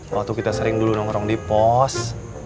waktu kita sering dulu nongkrong di pos